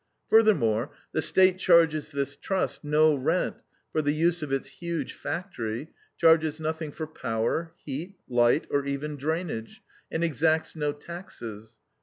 Furthermore, the State charges this Trust no rent for the use of its huge factory, charges nothing for power, heat, light, or even drainage, and exacts no taxes.